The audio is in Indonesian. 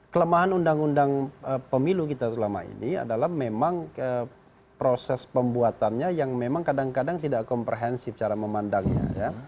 kelemahan undang undang pemilu kita selama ini adalah memang proses pembuatannya yang memang kadang kadang tidak komprehensif cara memandangnya